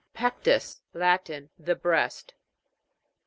PEC'TUS. Latin. The breast.